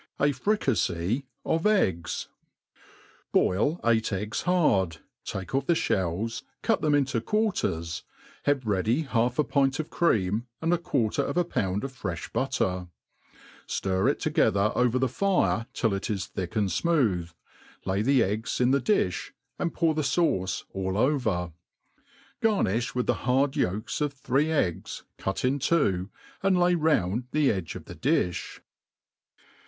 jt Fricafey of £ggs, BOIL eight eggs hard, take ofF the (belli, cut them into quarters, have ready half a pint of cream, and a quarter of a pound of frefb butter ( ftir it together over the fire till it is thick and fmooth, lay the eggs in the diib, and pour the fauce all over* Garniib with the hard yolks of three eggs cut in two, and lay round the edge of the diib.